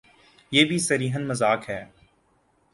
یہ بھی صریحا مذاق ہے۔